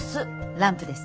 ランプです。